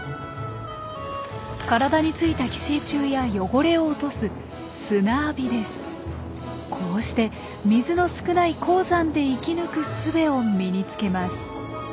体についた寄生虫や汚れを落とすこうして水の少ない高山で生き抜くすべを身につけます。